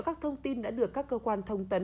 các thông tin đã được các cơ quan thông tấn